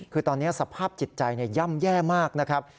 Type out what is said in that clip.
คือตอนนี้สภาพจิตใจย่ำแย่มากนะครับ